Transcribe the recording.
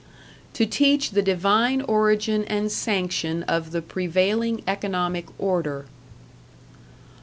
to teach the divine origin and sanction of the prevailing economic order.